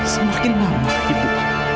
semakin mau ibu